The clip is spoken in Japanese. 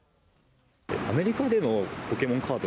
アメリカでもポケモンカード